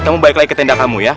kamu balik lagi ke tenda kamu ya